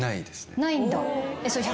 ないんだ。